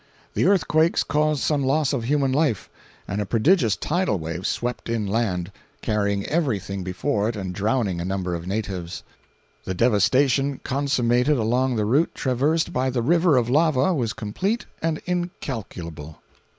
The earthquakes caused some loss of human life, and a prodigious tidal wave swept inland, carrying every thing before it and drowning a number of natives. The devastation consummated along the route traversed by the river of lava was complete and incalculable.